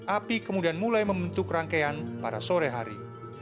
api kemudian mulai membentuk rangkaian pada sore hari